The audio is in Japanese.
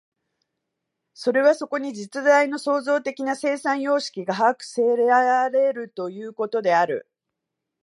それはそこに実在の創造的な生産様式が把握せられるということである。